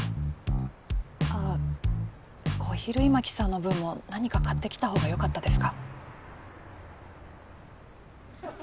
あっ小比類巻さんの分も何か買ってきたほうがよかったですか？